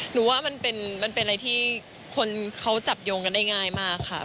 หนูว่ามันเป็นอะไรที่คนเขาจับโยงกันได้ง่ายมากค่ะ